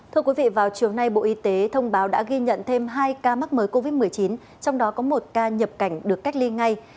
thưa quý vị vào chiều nay bộ y tế thông báo đã ghi nhận thêm hai ca mắc mới covid một mươi chín trong đó có một ca nhập cảnh được cách ly ngay